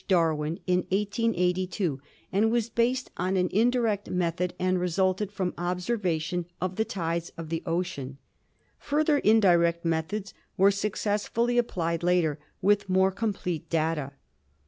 Darwin in 1882 and was based on an indirect method and resulted from observation of the tides of the ocean. Further indirect methods were successfully applied later, with more complete data.